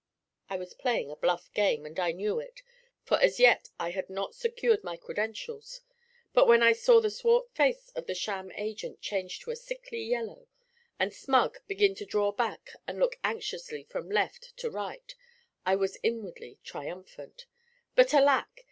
I was playing a bluff game, and I knew it, for as yet I had not secured my credentials; but when I saw the swart face of the sham agent change to a sickly yellow, and Smug begin to draw back and look anxiously from left to right, I was inwardly triumphant; but, alack!